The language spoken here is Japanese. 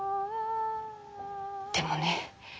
でもね